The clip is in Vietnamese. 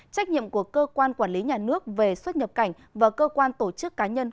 trách nhiệm của cơ quan quản lý nhà nước về xuất nhập cảnh và cơ quan tổ chức cá nhân